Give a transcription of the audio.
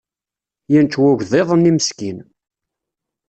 Yenncew ugḍiḍ-nni meskin.